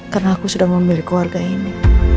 karena aku sudah memiliki keluarga ini